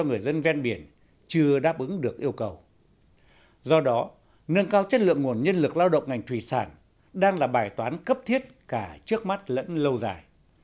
nhân lực lao động ngành thủy sản đang là bài toán cấp thiết cả trước mắt lẫn lâu dài